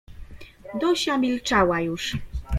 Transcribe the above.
"Dosia milczała już."